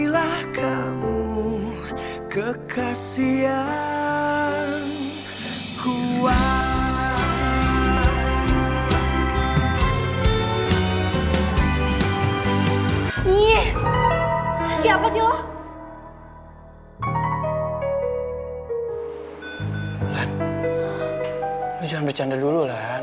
lo jangan bercanda dulu lan